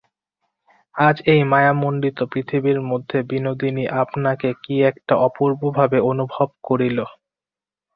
আজ এই মায়ামণ্ডিত পৃথিবীর মধ্যে বিনোদিনী আপনাকে কী একটা অপূর্বভাবে অনুভব করিল।